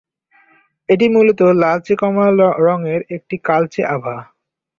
এটি মূলত লালচে কমলা রঙের একটি কালচে আভা।